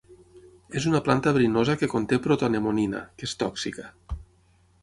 És una planta verinosa que conté protoanemonina, que és tòxica.